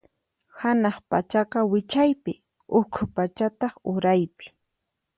Hanaq pachaqa wichaypi, ukhu pachataq uraypi.